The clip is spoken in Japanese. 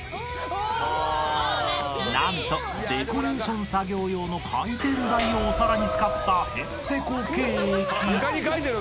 ［何とデコレーション作業用の回転台をお皿に使ったへんてこケーキ］